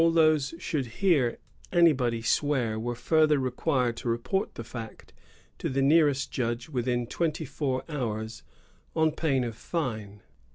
^ All those who should hear anybody swear were further required to report the fact to the nearest judge within twenty four hours, on pain of fine.